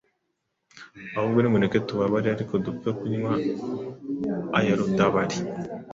ahubwo nimureke tubabare, ariko dupfe kunywa aya Rudabari